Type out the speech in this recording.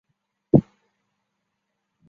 庆应义塾大学毕业。